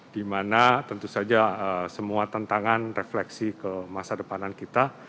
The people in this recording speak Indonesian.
dimana tentu saja semua tantangan refleksi ke masa depanan kita